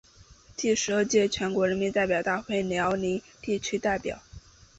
第十二届全国人民代表大会辽宁地区代表。